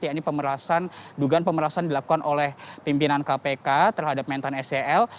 yakni pemerasaan dugaan pemerasaan dilakukan oleh pimpinan kpk terhadap mentan sl